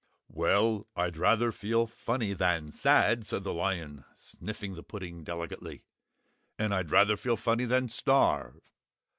"Well, I'd rather feel funny than sad," said the lion, sniffing the pudding delicately, "and I'd rather feel funny than starve.